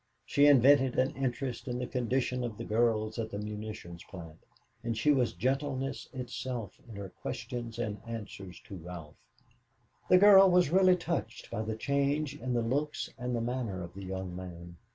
She invented an interest in the condition of the girls at the munition plant, and she was gentleness itself in her questions and answers to Ralph. The girl was really touched by the change in the looks and the manner of the young man.